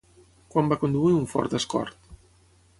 Quan va conduir un Ford Escort?